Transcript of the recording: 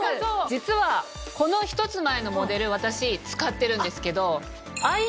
実はこの１つ前のモデル私使ってるんですけど。